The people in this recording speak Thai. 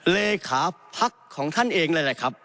เลขาพักของท่านเองเลยแหละครับ